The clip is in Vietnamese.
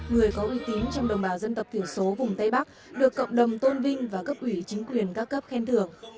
người có uy tín trong đồng bào dân tộc thiểu số vùng tây bắc được cộng đồng tôn vinh và cấp ủy chính quyền các cấp khen thưởng